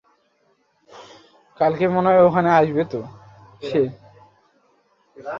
শেখ হাসিনা বলেন, বাংলাদেশে গণতন্ত্রের পুনঃপ্রবর্তনে তাঁর দলের দীর্ঘ ইতিহাস রয়েছে।